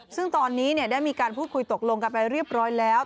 ซึ่งตอนนี้ได้มีการพูดคุยตกลงกันไปเรียบร้อยแล้ว